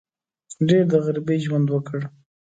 ډېر د غریبۍ ژوند وکړ.